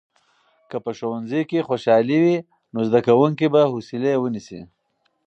که په ښوونځي کې خوشالي وي، نو زده کوونکي به حوصلې ونیسي.